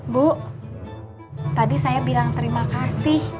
bu tadi saya bilang terima kasih